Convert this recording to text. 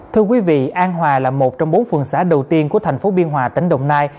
thưa quý vị an hòa là một trong bốn phường xã đầu tiên của thành phố biên hòa tỉnh đồng nai